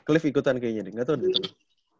cliff ikutan kayaknya nih gak tau dia tuh